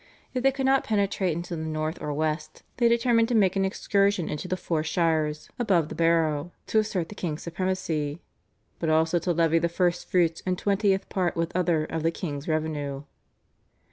If they could not penetrate into the North or West they determined to make an excursion into the "four shires above the Barrow" to assert the king's supremacy, "but also to levy the first fruits and twentieth part with other of the king's revenue."